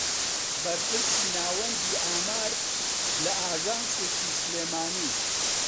بەرپرسی ناوەندی ئامار لە ئاژانسێکی سلێمانی